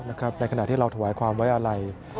ในขณะที่เราถวายความวัยอาลัย